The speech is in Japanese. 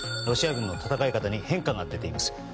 ロシア軍の戦い方に変化が出ています。